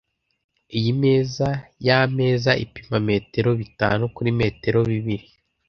Iyi meza yameza ipima metero bitanu kuri metero bibiri.